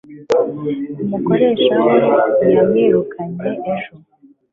umukoresha we yamwirukanye ejo